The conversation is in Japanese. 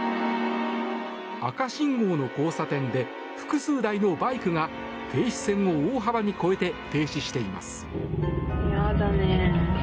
赤信号の交差点で複数台のバイクが停止線を大幅に越えて停止しています。